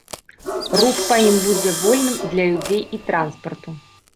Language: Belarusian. Рух па ім будзе вольным для людзей і транспарту.